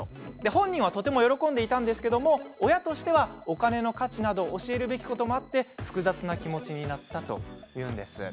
本人はとても喜んでいたんですが親としてはお金の価値など教えるべきこともあって複雑な気持ちになったというんです。